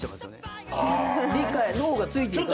理解脳がついていかないから。